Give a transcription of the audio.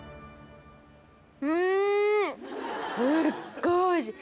すっごいおいしい！